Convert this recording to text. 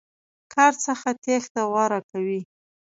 کار څخه تېښته غوره کوي.